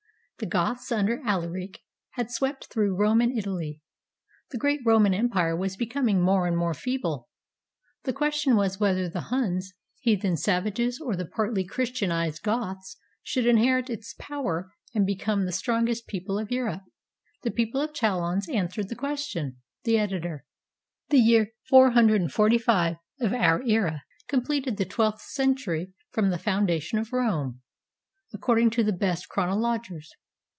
The Goths under Alaric had swept through Rome and Italy. The great Roman Empire was becoming more and more feeble. The question was whether the Huns, heathen savages, or the partly Chris tianized Goths should inherit its power and become the strongest people of Europe. The battle of Chalons answered the question. The Editor] The year 445 of our era completed the twelfth century from the foundation of Rome, according to the best chronologers.